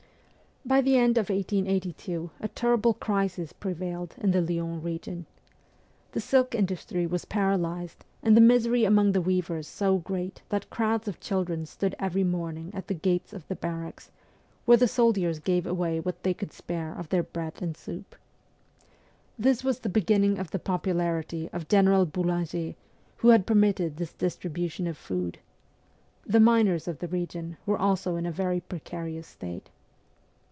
By the end of 1882 a terrible crisis prevailed in the Lyons region. The silk industry was paralysed, and the misery among the weavers was so great that crowds of children stood every morning at the gates of the WESTERN EUROPE 259 barracks, where the soldiers gave away what they could spare of their bread and soup. This was the beginning of the popularity of General Boulanger, who had permitted this distribution of food. The miners of the region were also in a very precarious state.